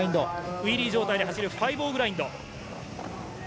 ウィリー状態で走る５−０グラインド。